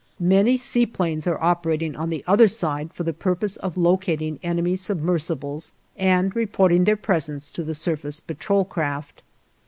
Many sea planes are operating on the other side for the purpose of locating enemy submersibles and reporting their presence to the surface patrol craft.